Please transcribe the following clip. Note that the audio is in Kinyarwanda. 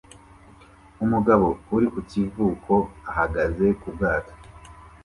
Umugabo uri ku kivuko ahagaze ku bwato